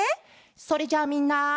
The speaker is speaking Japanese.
それじゃあみんな。